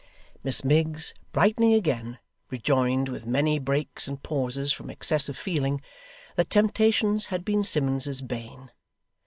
Miss Miggs, brightening again, rejoined, with many breaks and pauses from excess of feeling, that temptations had been Simmuns's bane.